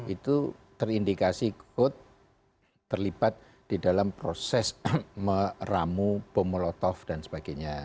itu terindikasi terlibat di dalam proses meramu pomolotov dan sebagainya